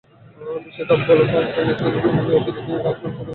বিশ্বকাপ গলফে অংশ নিতে দিল্লি থেকেই কাল সরাসরি চলে গেছেন অস্ট্রেলিয়ায়।